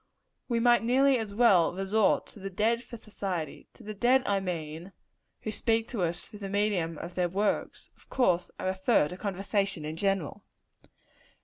We might nearly as well resort to the dead for society; to the dead, I mean, who speak to us through the medium of their works. Of course I refer to conversation in general.